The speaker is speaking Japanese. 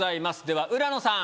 では浦野さん